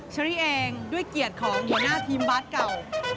ฉลีแองด้วยเกียรติของเหมือนหน้าทีมบาทเก่า